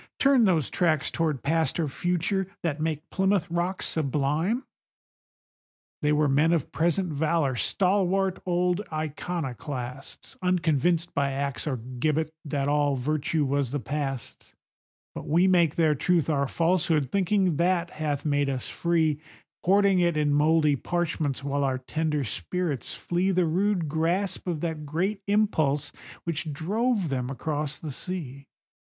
Turn those tracks toward Past or Future, that make Plymouth Rock sublime? They were men of present valor, stalwart old iconoclasts, Unconvinced by axe or gibbet that all virtue was the Past's; But we make their truth our falsehood, thinking that hath made us free, Hoarding it in mouldy parchments, while our tender spirits flee The rude grasp of that great Impulse which drove them across the sea.